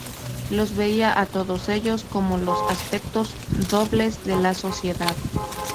Los veía a todos ellos como los aspectos dobles de la sociedad.